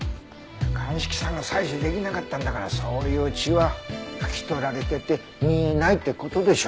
鑑識さんが採取できなかったんだからそういう血は拭き取られてて見えないって事でしょ。